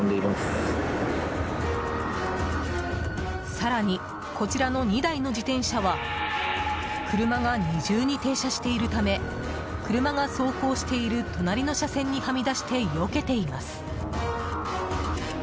更に、こちらの２台の自転車は車が二重に停車しているため車が走行している隣の車線にはみ出して、よけています。